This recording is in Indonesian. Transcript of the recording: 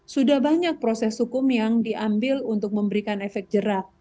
sudah banyak proses hukum yang diambil untuk memberikan efek jerah